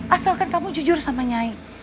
asalkan kamu jujur sama nyaib